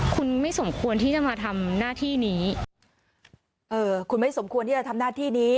คุณไม่สมควรที่จะมาทำหน้าที่นี้เอ่อคุณไม่สมควรที่จะทำหน้าที่นี้